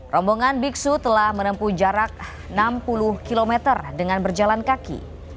rombongan biksu telah menempuh jarak enam puluh km dengan berjalan kaki